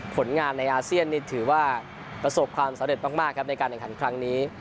ผลงานในอาเซียนนี่ถือว่าประสบความสำเร็จมากครับในการแข่งขันครั้งนี้